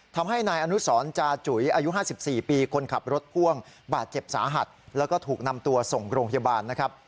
ทำให้นายอนุสรจาจุ๋ยอายุ๕๔ปีคนขับรถพ่วงบาดเจ็บสาหัสแล้วก็ถูกนำตัวส่งโรงพยาบาลนะครับ